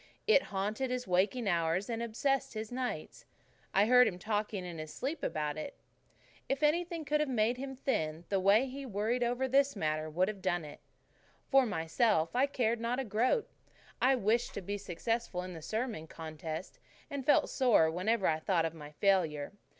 It haunted his waking hours and obsessed his nights. I heard him talking in his sleep about it. If anything could have made him thin the way he worried over this matter would have done it. For myself, I cared not a groat. I had wished to be successful in the sermon contest, and felt sore whenever I thought of my failure.